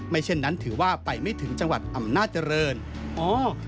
เช่นนั้นถือว่าไปไม่ถึงจังหวัดอำนาจริงอ๋อ